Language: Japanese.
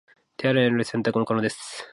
手洗いによる洗濯も可能です